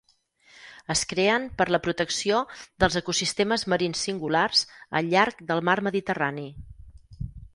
Es creen per a la protecció dels ecosistemes marins singulars al llarg del mar Mediterrani.